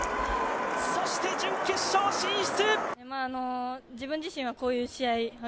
そして準決勝進出！